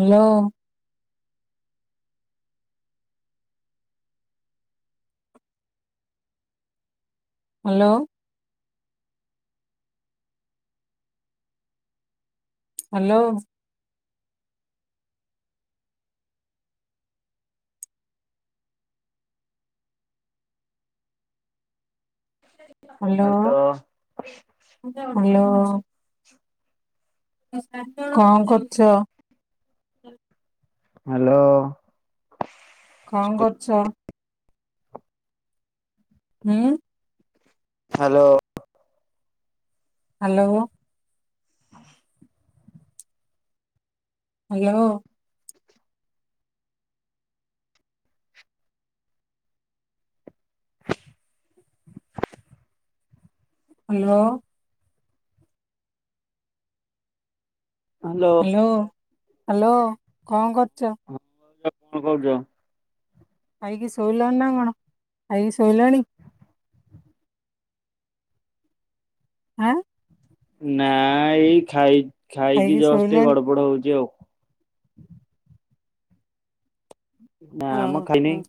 Hello. Hello. Hello. Hello hello. କଁ କରୁଚ? Hello. କ କରୁଚ? ହୁଁ। Hello. Hello. [inaudible] Hello. [inaudible] Hello. Hello hello କଁ କରୁଚ? ମୁଁ କହିଲି କଁ କରୁଚ? ଖାଇକି ଶୋଇଲଣିନା କଣ ଖାଇକି ଶୋଇଲଣି? ଆଁ। ନା ଏଇ ଖାଇ ଖାଇକି ଜଷ୍ଟ ଗଡ଼ ପଡ଼ ହଉଚି ଆଉ। ନାଁମ ଓହୋ ଖାଇନେଇ।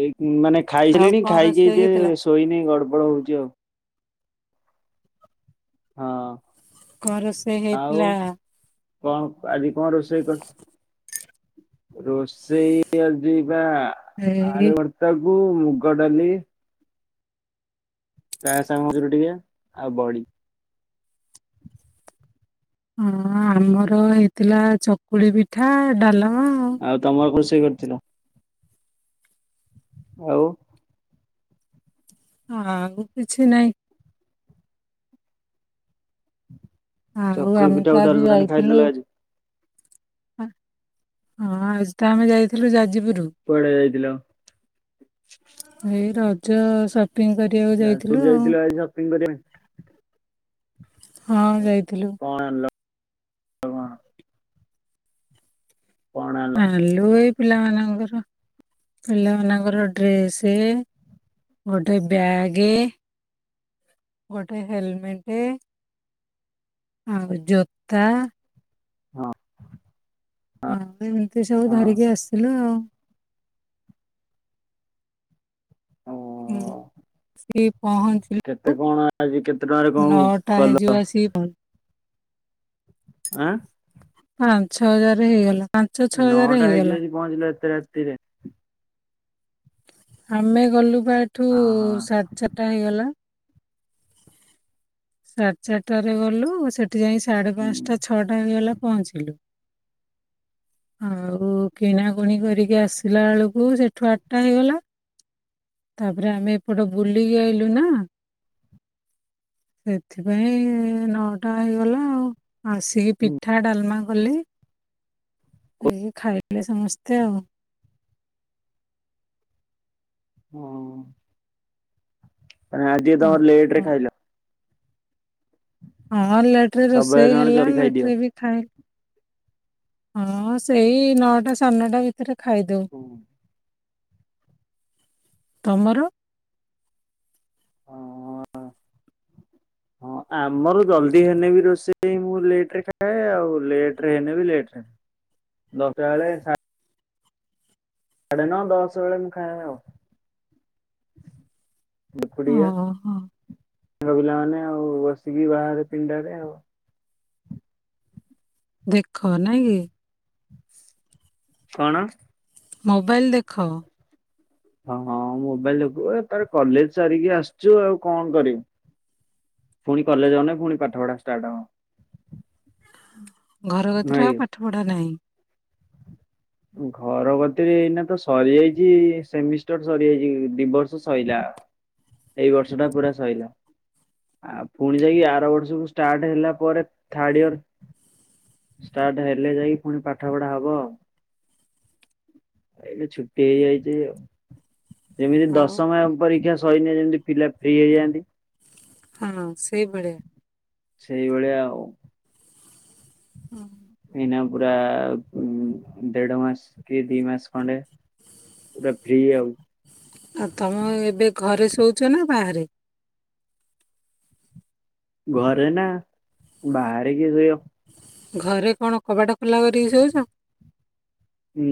ଏଇ ମାନେ ଆଉ ଖାଇସାଇଲିଣି କଣ ଖାଇକି ରୋଷେଇ ହେଇଥିଲା ଟିକେ ଶୋଇନି ଗଡ଼ପଡ଼ ହଉଚି ଆଉ। ହଁ। କଁ ରୋଷେଇ ଆଉ ହେଇଥିଲା? କଣ ଆଜି କଣ ରୋଷେଇ କରି ରୋଷେଇ ଆଜିପା ଏଇ ଆଳୁ ଭର୍ତାକୁ ମୁଗ ଡାଲି। ପ୍ରାୟ ସାମଜୁରୁ ଟିକେ ଆଉ ବଡି। ହଁ, ଆମର ହେଇଥିଲା ଚକୁଳି ପିଠା, ଡାଲମା ଆଉ। ଆଉ ତମର କଣ ରୋଷେଇ କରିଥିଲ? ଆଉ। ଆଉ କିଛି ନାଇଁ। ଆଉ ଚକୁଳି ଆମେ ପିଠା ତ ଆଉ ଆଜି ଡାଲମା ତାନେ ଖାଇଦେଲ ଯାଇଥିଲୁ। ଆଜି। ହଁ, ଆଜି ତ ଆମେ ଯାଇଥିଲୁ ଯାଜପୁର। ପଳେଇ ଯାଇଥିଲ। ଏଇ ରଜ ସପିଙ୍ଗ କରିଆକୁ ଯାଜପୁର ଯାଇଥିଲୁ ଆଉ। [unintelligible] ହଁ, ଯାଇଥିଲୁ। ପାଇଁ କଣ ଆଣିଲ କଣ କଣ ଆଣିଲ ଆଣିଲୁ ଏଇ ପିଲାମାନଙ୍କର ପିଲାମାନଙ୍କର ଡ୍ରେସ୍। ସେ ଗୋଟେ ବ୍ୟାଗେ। ଗୋଟେ ହେଲମେଟେ। ଆଉ ଜୋତା। ହଁ। ହଁ, ତ ଏମିତି ସବୁ ହଁ ଧରିକି ଆସିଥିଲୁ ଆଉ। ଓ ହୁଁ, ସିଏ ପହଞ୍ଚି। କେତେ କଣ ଆଜି କେତେ ଟଙ୍କାରେ କଣ। କଲ ଆଁ [unintelligible] ଆଁ। ପାଞ୍ଚହଜାରେ ହେଇଗଲା। ପାଞ୍ଚ ଛଅ ହଜାର ନଅଟା ହେଇଯିବ ହେଇଗଲା ଆଜି ପହଞ୍ଚିଲା ଏତେ ରାତିରେ। ଆମେ ଗଲୁ ବା ଏଠୁ ହଁ ହଁ ସାଡେ ଚାରିଟା ହେଇଗଲା। ସାଡେ ଚାରିଟାରେ ଗଲୁ, ସେଠି ଯାଇ ସାଡେ ହୁଁ ପାଞ୍ଚଟା ଛଅଟା ହେଇଗଲା ପହଞ୍ଚିଲୁ। ଆଉ କିଣାକୁଣି କରିକି ଆସିଲା ବେଳୁକୁ ସେଠୁ ଆଠଟା ହେଇଗଲା। ତାପରେ ଆମେ ଏପଟ ବୁଲିକି ଆଇଲୁ ନା। ସେଥିପାଇଁ ନଅଟା ହେଇଗଲା ଆଉ। ଆସିକି ପିଠା ଡାଲମା କଲି। ଏଇ ଖାଇଲେ ସମସ୍ତେ ଆଉ। ହୁଁ। ଆଜି ହଁ ତମର ଲେଟ ରେ କଣ। ଖାଇଲ। ହଁ, ଲେଟରେ ସବୁବେଳେ ରୋଷେଇ ତମେ ହେଲା ଜଲଦି ଖାଇଦିଅ ଲେଟରେ ବି ଖାଇଲୁ। ହଁ, ସେଇ ନଅଟା ସାଡେନଅଟା ଭିତରେ ଖାଇଦଉ। ହଁ ତମର? ହ ହଁ, ଆମର ଜଲ୍ଦି ହେନେ ବି ରୋଷେଇ ମୁଁ ଲେଟରେ ଖାଏ। ଆଉ ଲେଟରେ ହେଲେ ବି ଲେଟରେ ଦରକାର ବେଳେ। ସାଡେ ନଅ ଦଶ ବେଳେ ମୁଁ ଖାଏ ଆଉ। ଖୁଡିଆ, ଓହୋ ପିଲାମାନେ ଆଉ ବସିକି ବାହାରେ ପିଣ୍ଡାରେ ଆଉ। ଦେଖ ନାଇଁ କି? କଣ? ମୋବାଇଲ ଦେଖ? ହଁ, ହଁ ମୋବାଇଲ ଦେଖୁ ଏ ଥର କଲେଜ ସାରିକି ଆସିଚୁ ଆଉ କଣ କରିବୁ? ପୁଣି କଲେଜ ଗନେ, ପୁଣି ପାଠ ପଢା ଷ୍ଟାର୍ଟ ହବ। ଘର କତିରେ ନୁହେଁ ଆଉ ପାଠ ପଢା ନାହିଁ? ଘର ଗତିରେ ଏଇନା ତ ସରିଯାଇଚି। ସେମିଷ୍ଟର ସରିଯାଇଚି। ଦି ବର୍ଷ ସଇଲା। ଏଇ ବର୍ଷ ଟା ପୁରା ସଇଲା। ଆଉ, ପୁଣି ଯାଇକି ଆର ବର୍ଷକୁ ଷ୍ଟାର୍ଟ ହେଲା ପରେ, ଥାର୍ଡ ଇୟର ଷ୍ଟାର୍ଟ ହେଲେ ଯାଇକି ପୁଣି ପାଠ ପଢା ହବ ଆଉ। ଏଇନେ ଛୁଟି ହେଇଯାଇଚି ଆଉ। ଯେମିତି ଆଉ ଦଶମ ଆ ପରୀକ୍ଷା ସଇଲେ ଯେମିତି ଫିଲ ଅପ ହେଇ ହେଇଯାଆନ୍ତି ହଁ ସେଇ ଭଳିିଆ। ସେଇଭଳିଆ ଆଉ। ହୁଁ। ଏଇନା ପୁରା ଦେଢ ମାସ, କି ଦି ମାସ, ଖଣ୍ଡେ ପୁରା ଫ୍ରି ଆଉ। ଆଉ ତମ ଏବେ ଘରେ ଶୋଉଚ ନା ବାହାରେ? ଘରେ ନା। ବାହାରେ କିଏ ଶୋଇବ? ଘରେ କଣ, କବାଟ ଖୋଲା କରିକି ଶୋଉଚ?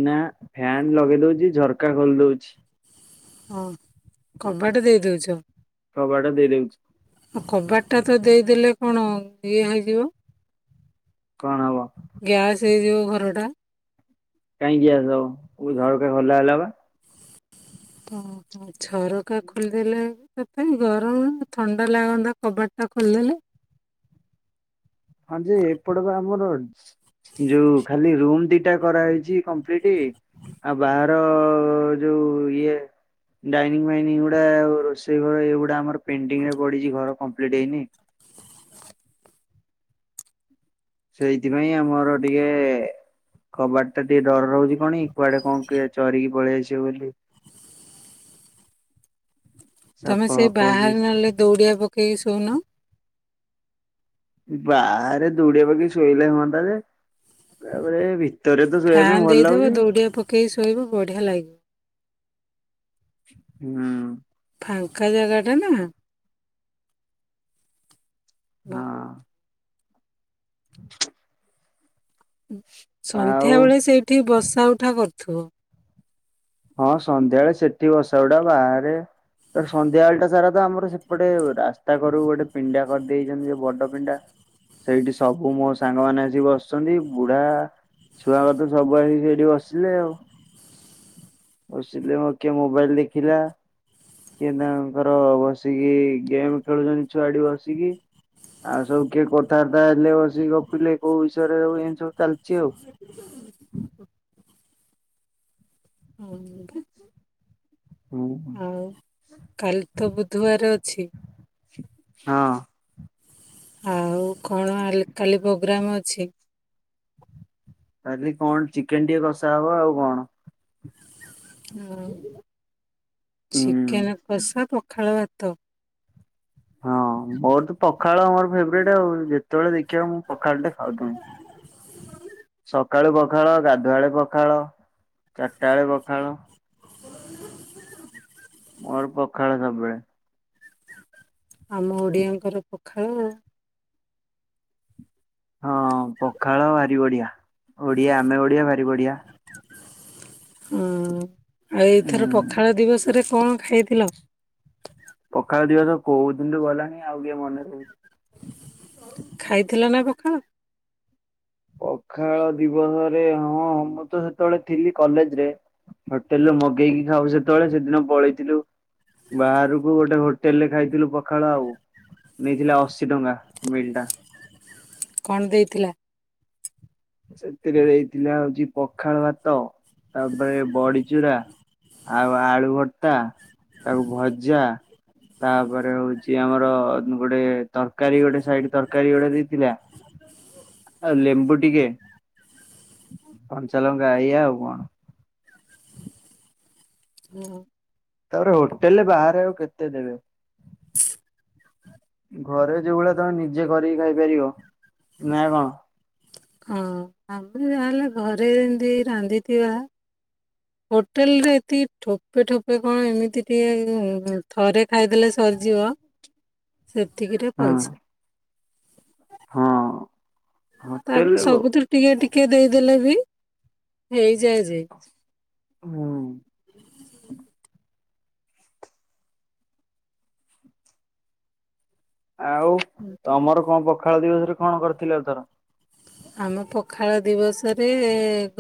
ନା, ଫ୍ୟାନ୍ ଲଗେଇ ଦଉଚି, ଝରକା ଖୋଲି ଦଉଚି। ହଁ। କବାଟ ଦେଇଦଉଚ? କବାଟ ଦେଇ ଦଉଛି ହଁ କବାଟଟା ତ ଦେଇଦେଲେ କଣ ଇଏ ହେଇଯିବ? କଣ ହବ? ଗ୍ୟାସ୍ ହେଇଯିବ ଘରଟା। କାଇଁ ଗ୍ୟାସ୍‌ ହବ? ପୁଣି ଝରକା ଖୋଲା ହେଲା ବା। ଓହୋ ଝରକା ଖୋଲିଦେଲେ କାଇଁ ଗରମ, ଥଣ୍ଡା ଲାଗନ୍ତା କବାଟ ଟା ଖୋଲିଦେଲେ। ହଁ ଯେ ଏପଟ ବା ଆମର ଯୋଉ ଖାଲି ରୁମ୍ ଦିଟା କରାହେଇଚି କମ୍ପ୍ଲିଟି। ଆଉ ବାହାର ଯୋଉ ଇଏ ଡାଇନିଂ ଫାଇନି ଗୁଡା, ରୋଷେଇ ଘର ଏଗୁଡା ଆମର ପେଣ୍ଟିଂ ରେ ପଡିଚି, ଘର କମ୍ପ୍ଲିଟ ହେଇନି। ସେଇଥିପାଇଁ ଆମର ଟିକେ କବାଟ୍ ଟା ଟିକେ ଡର ରହୁଚି କଣ କି, କୁଆଡେ କଣ କିଏ ଚରିକି ପଳେଇଆସିବ ବୋଲି। ସାପ ତମେ ସେ ଫାପ କି ବାହାରେ ନହେଲେ ଦଉଡିଆ ପକେଇକି ଶୋଉନ। ବାହାରେ ଦୌଡିଆ ପକେଇ ଶୋଇଲେ ହୁଅନ୍ତା ଯେ, ତାପରେ ଏଭି ତରେ ତ ଶୋଇବା ପାଇଁ ଭଲ ଲାଗୁଚି। କେଇ ଶୋଇବ ବଢିଆ ଲାଗିବ। ହୁଁ। ଫାଙ୍କା ଜାଗାଟା ନା। ଭଲ। ହଁ। ଆଉ ସନ୍ଧ୍ୟା ବେଳେ ସେଇଠି ବସା ଉଠା କରୁଥିବ। ହଁ, ସନ୍ଧ୍ୟାବେଳେ ସେଠି ବସାଉଠା, ବାହାରେ ତ ସନ୍ଧ୍ୟାବେଳ ଟା ସାରା ତ ଆମର ସେପଟେ ରାସ୍ତା କରକୁ ଗୋଟେ ପିଣ୍ଡା କରିଦେଇେଇଚନ୍ତି ଯେ ବଡ଼ ପିଣ୍ଡା। ସେଇଠି ସବୁ ମୋ ସାଙ୍ଗମାନେ ଆସିକି ବସିଚନ୍ତି। ବୁଢା ଛୁଆ ଗତିରୁ ସବୁ ଆସି ସେଇଠି ବସିଲେ ଆଉ। ବସିଲେ ମୋ କିଏ ମୋବାଇଲ ଦେଖିଲା। କିଏ ତାଙ୍କର ବସିକି ଗେମ୍ ଖେଳୁଚନ୍ତି ଛୁଆ ଏଠି ବସିକି। ଆଉ ସବୁ କିଏ କଥାବାର୍ତ୍ତା ହେଲେ ବସିକି ଗପିଲେ କୋଉ ବିଷୟରେ ଏମତି ସବୁ ଚାଲିଚି ଆଉ। [inaudible] ହୁଁ ଆଉ, କାଲି ତ ବୁଧବାର ଅଛି। ହଁ। ଆଉ କଣ ଆଲ୍ କାଲି ପୋଗ୍ରାମ ଅଛି? ଆଜି କଣ ଚିକେନ୍ ଟିକେ କଷା ହବ ଆଉ କଣ। ଆଉ ହୁଁ ଚିକେନ୍ କଷା ପଖାଳ ଭାତ। ହଁ ମୋର ତ ପଖାଳ ମୋର ଫେବ୍ରାଇଟ୍ ଆଉ ଯେତେବେଳେ ଦେଖିବ ମୁଁ ପଖାଳ ଟେ ଖାଉଥୁମି। ସକାଳୁ ପଖାଳ ଗାଧୁଆଳେ ପଖାଳ ଚାରିଟା ବେଳେ ପଖାଳ। ମୋର ପଖାଳ ସବୁବେଳେ। ଆମ ଓଡିଆଙ୍କର ପଖାଳ। ହଁ ପଖାଳ ବାରି ବଡିଆ ଓଡିଆ ଆମେ ଓଡିଆ ଭାରି ବଢିଆ। ହୁଁ ଆଉ ଏଇଥର ହୁଁ। ପଖାଳ ଦିବସରେ କଣ ଖାଇଥିଲ? ପକାଳ ଦିବସ କୋଉ ଦିନିଠୁ ଗଲାଣି ଆଉ କିଏ ମନେ ରୋହୁ ଖାଇଥିଲ ନାଁ ପଖାଳ? ପଖାଳ ଦିବସରେ ହଁ ମୁଁ ତ ସେତେବେଳେ ଥିଲି କଲେଜ୍ ରେ। ହୋଟେଲୁ ମଗେଇକି ଖାଉ ସେତେବେଳେ ସେଦିନ ପଳେଇଥିଲୁ। ବାହାରକୁ ଗୋଟେ ହୋଟେଲ ରେ ଖାଇଥିଲୁ ପଖାଳ ଆଉ। ନେଇଥିଲା ଅଶୀ ଟଙ୍କା ମିଲ୍ ଟା। କନ୍ ଦେଇଥିଲା? ସେଥିରେ ଦେଇଥିଲା ହଉଚି ପଖାଳ ଭାତ ତାପରେ ବଡିଚୁରା ଆଉ ଆଳୁ ଭତା ତାକୁ ଭଜା ତାପରେ ହଉଚି ଆମର ଗୋଟେ ତରକାରୀ ଗୋଟେ ସାଇଡ୍ ତରକାରୀ ଗୋଟେ ଦେଇଥିଲା। ହ ଆଉ ଲେମ୍ବୁ ଟିକେ କଞ୍ଚାଲଙ୍କା ଏଇୟା ଆଉ କଣ। ହୁଁ। ତାପରେ ହୋଟେଲ୍ ରେ ବାହାରେ ଆଉ କେତେ ଦେବେ। ଘରେ ଯୋଉ ଭଳିଆ ତମେ ନିଜେ କରିକି ଖାଇପାରିବ ନାଇଁ କଣ? ହଁ ଆମେ ଯା ହେଲେ ଘରେ ଯେମତି ରାନ୍ଧିଥିବା ହୋଟେଲ୍ ରେ ଏତିକି ଠୋପେ ଠୋପେ କଣ ଏମିତି ଟିକେ ଥରେ ଖାଇଦେଲେ ସରିଯିବ। ସେତିକିରେ ହଁ ପଇସା। ହଁ ତାପରେ ହୋଟେଲରେ ବ ସବୁଥ୍ରୁ ଟିକେ ଟିକେ ଦେଇଦେଲେ ବି ହେଇଯାଏ ଯେ। ହୁଁ। ଆଉ ହୁଁ। ତମର କଣ ପଖାଳ ଦିବସ ରେ କଣ କରିଥିଲେ ଏଥର? ଆମେ ପଖାଳ ଦିବସରେ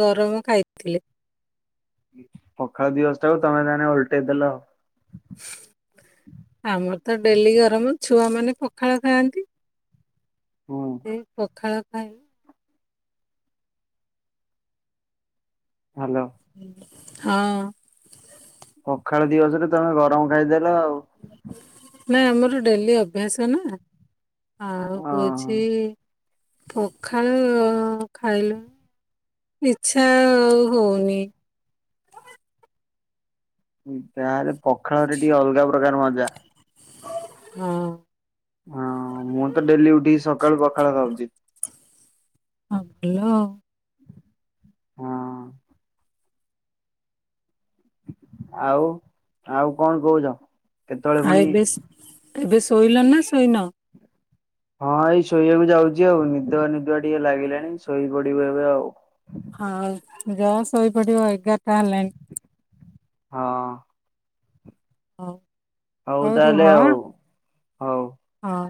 ଗରମ ଖାଇଥିଲେ। ପଖାଳ ଦିବସ୍ ଟାକୁ ତମେ ତାହେଲେ ଓଲଟେଇ ଦେଲ। ଆମର ତ ଡେଲି ଗରମ ଛୁଆ ମାନେ ପଖାଳ ଖାଆନ୍ତି। ହୁଁ ସେ ପଖାଳ ଖାଏ। ହାଲୋ। ହଁ। ପଖାଳ ଦିବସରେ ତମେ ଗରମ ଖାଇଦେଲ ଆଉ। ନାଇଁ ଆମର ଡେଲି ଅଭ୍ୟାସ ନାଁ। ଆଉ ହୋହୁଛି ହଁ ପଖାଲ ଖାଇଲ ଇଛା ହଉନି। ତାହେଲେ ପଖାଳରେ ଟିକେ ଅଲଗା ପ୍ରକାର ମଜା। ହଁ। ହଁ ମୁଁ ତ ଡେଲି ଉଠିକି ସକାଳୁ ପଖାଳ ଖାଉଛି। ହଁ ଭଲ ଆଉ। ହଁ। ଆଉ ଆଉ କଣ କହୁଛ? କେତେବେଳେ ଆଉ ପୁଣି ଏବେ ଏବେ ଶୋଇଲଣି ନା ଶୋଇନ? ହଁ ଏଇ ଶୋଇବାକୁ ଯାଉଛି ଆଉ ନିଦ ନିଦଆ ଟିକେ ଲାଗିଲାଣି ଶୋଇ ପଡିବ ଏବେ ଆଉ। ଆଉ ଯା ଶୋଇପଡ଼ିବ ଏଗାରଟା ହେଲାଣି। ହଁ। ହଉ। ହଉ ତାହେଲେ ଆଉ। ହଉ। ହଁ।